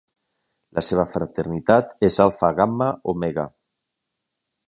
La seva fraternitat és Alfa Gamma Omega.